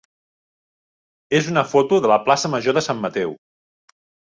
és una foto de la plaça major de Sant Mateu.